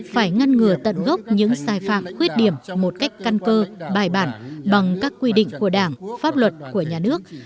phải ngăn ngừa tận gốc những sai phạm khuyết điểm một cách căn cơ bài bản bằng các quy định của đảng pháp luật của nhà nước